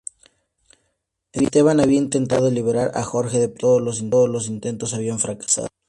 Esteban había intentado liberar a Jorge de prisión, pero todos los intentos habían fracasado.